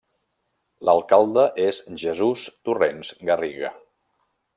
L'alcalde és Jesús Torrens Garriga.